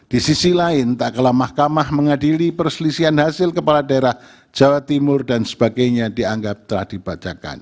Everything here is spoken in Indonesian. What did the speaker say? di sisi lain tak kalah mahkamah mengadili perselisihan hasil kepala daerah jawa timur dan sebagainya dianggap telah dibacakan